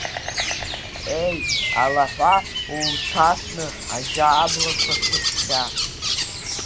Еи, Алаҳәа, улҭасны, ажьа аблақәа ҭыршәшәа!